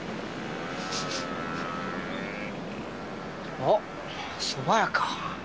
おっそば屋か。